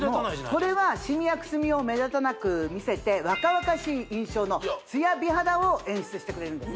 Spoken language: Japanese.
これはシミやくすみを目立たなく見せて若々しい印象のツヤ美肌を演出してくれるんですね